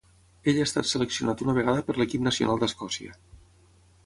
Ell ha estat seleccionat una vegada per l'equip nacional d'Escòcia.